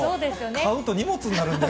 買うと荷物になるんで。